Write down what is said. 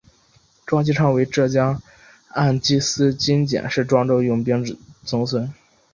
庄际昌为浙江按察司佥事庄用宾之曾孙。